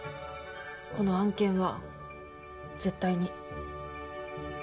この案件は絶対に。